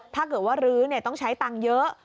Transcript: ถ้าเกิดว่ารื้อต้องใช้ตังค์เยอะ